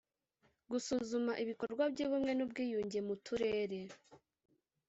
gusuzuma ibikorwa by ubumwe n ubwiyunge mu turere